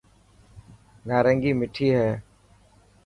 نارنگي مٺي هي.